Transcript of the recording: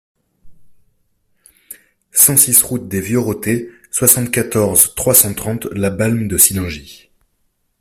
cent six route des Vieux Rotets, soixante-quatorze, trois cent trente, La Balme-de-Sillingy